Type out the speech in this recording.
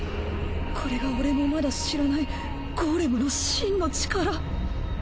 これが俺もまだ知らないゴーレムの真の力。